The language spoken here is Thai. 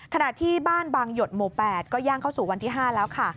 ขณะที่บ้านบางหยดหมู่๘ก็ย่างเข้าสู่วันที่๕แล้วค่ะ